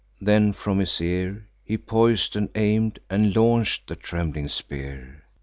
Then from his ear He pois'd, and aim'd, and launch'd the trembling spear.